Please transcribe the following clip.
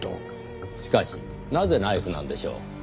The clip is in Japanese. しかしなぜナイフなんでしょう？